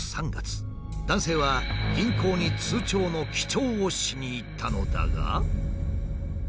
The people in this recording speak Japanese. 男性は銀行に通帳の記帳をしに行ったのだが。